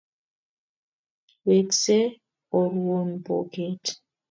Wekse urwon bo ket.